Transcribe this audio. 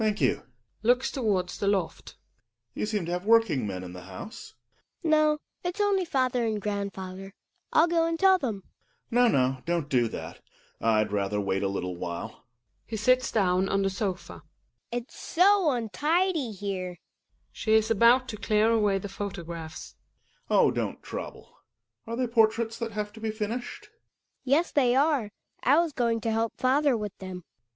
Gregers. Thank you {looks towards the loft). You seem to have workingmen in the house ? THE WILD DUCK. 65 Hedviq. No, it's only father and grandfather. I'll go and tell them. Gregers. No, no, don't do that, I'd rather wait a little while. He sits down on the sofa, Hedvio. It's so untidy here She is about ic clear away the photographs. Gregers. Oh I don't trouble. Are they portraits tha^ have to be finished ? Hedvig. Yes, they are ; I was going to help father with them.